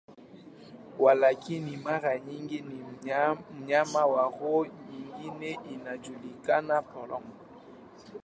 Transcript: Walakini, mara nyingi ni mnyama wa roho nyingine inayojulikana, polong.